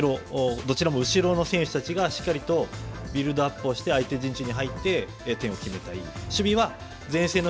攻撃では後ろ、どちらも後ろの選手たちがしっかりとビルドアップをして相手陣地に入り点を決めたい。